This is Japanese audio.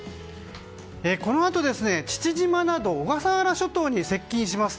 このあと父島など小笠原諸島に接近します。